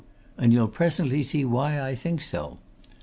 And you'll presently see why I think so.